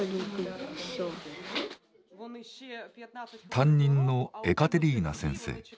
担任のエカテリーナ先生。